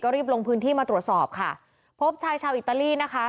รีบลงพื้นที่มาตรวจสอบค่ะพบชายชาวอิตาลีนะคะ